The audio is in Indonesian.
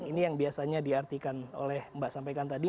ini yang biasanya diartikan oleh mbak sampaikan tadi